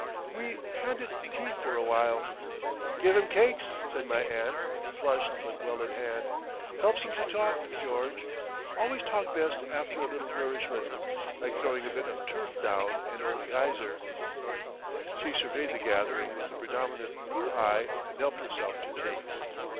We handed tea for a while.... "Give 'em cakes," said my aunt, flushed, but well in hand. "Helps 'em to talk, George. Always talk best after a little nourishment. Like throwing a bit of turf down an old geyser." She surveyed the gathering with a predominant blue eye and helped herself to tea.